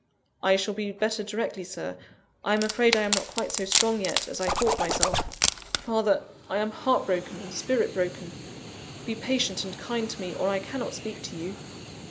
"I shall be better directly, Sir. I am afraid I am not quite so strong yet as I thought myself. Father! I am heart broken and spirit broken: be patient and kind to me, or I cannot speak to you."